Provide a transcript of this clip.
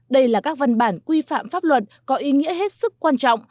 đây là các văn bản quy phạm pháp luật có ý nghĩa hết sức quan trọng